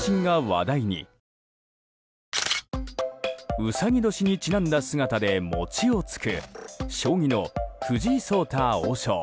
うさぎ年にちなんだ姿で餅をつく将棋の藤井聡太王将。